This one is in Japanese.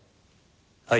はい。